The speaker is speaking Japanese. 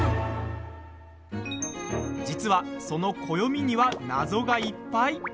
実は、その暦には謎がいっぱい。